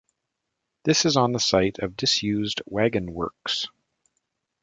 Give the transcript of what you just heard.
This is on the site of disused wagon works.